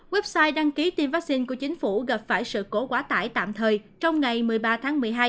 website đăng ký tiêm vaccine của chính phủ gặp phải sự cố quá tải tạm thời trong ngày một mươi ba tháng một mươi hai